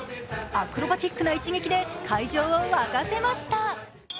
アクロバティックな一撃で会場を沸かせました。